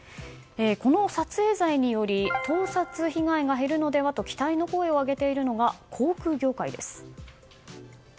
この撮影罪により盗撮被害が減るのではと期待の声を上げているのが航空業界です。